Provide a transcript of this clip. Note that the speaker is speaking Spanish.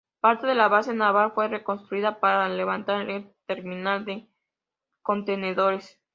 Parte de la base naval fue reconstruida para levantar el Terminal de Contenedores.